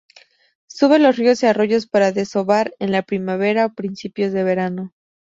Sube los rios y arroyos para desovar en la primavera o principios de verano.